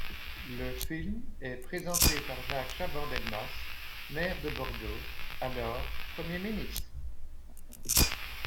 Le film est présenté par Jacques Chaban-Delmas, Maire de Bordeaux, alors Premier ministre.